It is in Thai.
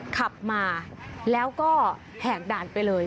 ขับมาแล้วก็แหกด่านไปเลย